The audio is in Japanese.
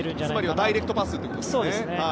つまりはダイレクトパスですね。